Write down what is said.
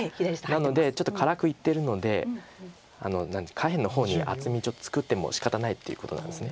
なのでちょっと辛くいってるので下辺の方に厚みちょっと作ってもしかたないっていうことなんです。